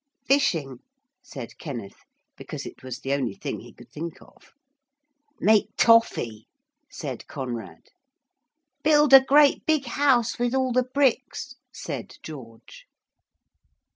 'Fishing,' said Kenneth, because it was the only thing he could think of. 'Make toffee,' said Conrad. 'Build a great big house with all the bricks,' said George.